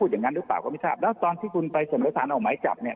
อย่างนั้นหรือเปล่าก็ไม่ทราบแล้วตอนที่คุณไปเสนอสารออกหมายจับเนี่ย